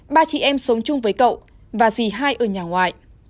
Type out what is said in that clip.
ba chị em sống chung với cậu và gì hai ở nhà ngoại